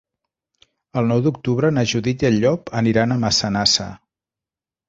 El nou d'octubre na Judit i en Llop aniran a Massanassa.